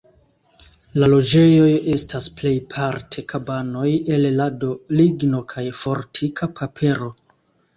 La loĝejoj estas plejparte kabanoj el lado, ligno kaj fortika papero.